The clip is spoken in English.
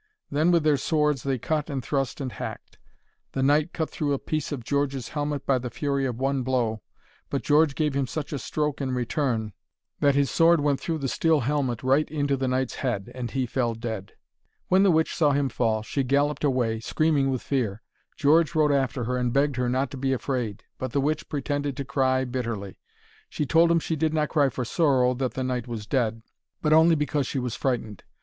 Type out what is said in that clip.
Then, with their swords they cut and thrust and hacked. The knight cut through a piece of George's helmet by the fury of one blow, but George gave him such a stroke in return, that his sword went through the steel helmet right into the knight's head, and he fell dead. When the witch saw him fall, she galloped away, screaming with fear. George rode after her and begged her not to be afraid, but the witch pretended to cry bitterly. She told him she did not cry for sorrow that the knight was dead, but only because she was frightened.